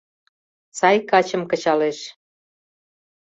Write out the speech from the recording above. Сай качым кычалеш.